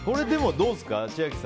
どうですか？